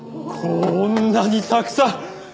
こんなにたくさん！